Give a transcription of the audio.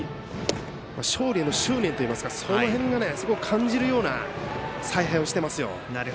勝利への執念といいますかその辺がすごく感じるような采配をしていますよ。